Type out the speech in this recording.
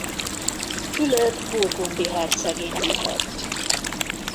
Fülöp burgundi herceg indított.